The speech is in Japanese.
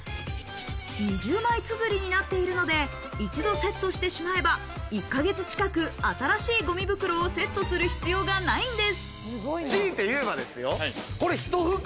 ２０枚つづりになっているので一度セットしてしまえば１か月近く新しいゴミ袋をセットする必要がないんです。